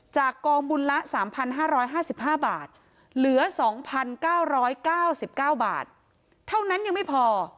จากกองบุญละ๓๕๕บาทเหลือ๒๙๙๙บาทเท่านั้นยังไม่พอ